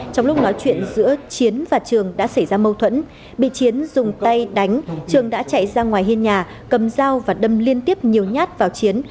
trong lúc nói chuyện giữa chiến và trường đã xảy ra mâu thuẫn bị chiến dùng tay đánh trường đã chạy ra ngoài hiên nhà cầm dao và đâm liên tiếp nhiều nhát vào chiến